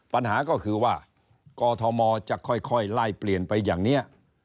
ปัญหาก็คือว่ากอทมจะค่อยไล่เปลี่ยนไปอย่างนี้